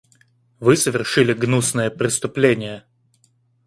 Вы совершили гнусное преступление.